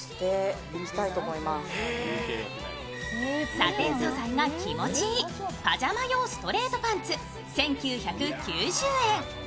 サテン素材が気持ちいい、パジャマ用ストレートパンツ１９９０円。